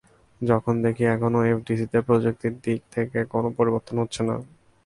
যখন দেখি এখনো এফডিসিতে প্রযুক্তির দিক থেকে কোনো পরিবর্তন হচ্ছে না।